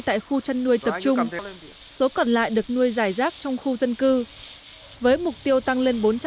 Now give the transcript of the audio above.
tại khu chăn nuôi tập trung số còn lại được nuôi giải rác trong khu dân cư với mục tiêu tăng lên